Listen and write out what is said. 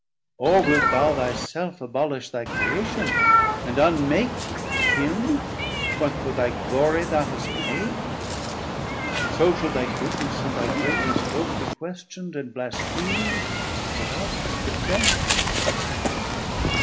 or wilt thou thy self Abolish thy Creation, and unmake, For him, what for thy glorie thou hast made? So should thy goodness and thy greatness both Be questiond and blaspheam'd without defence.